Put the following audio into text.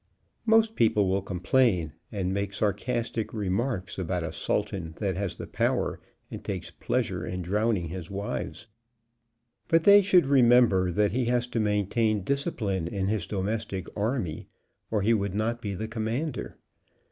Most people will complain and make sarcastic re marks about a Sultan that has the power and takes pleasure in drowning his wives, but they should re member that he has to maintain discipline in his do mestic army, or he would not be the commander.